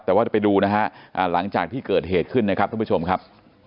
แต่ว่าจะไปดูนะฮะหลังจากที่เกิดเหตุขึ้นนะครับท่านผู้ชมครับ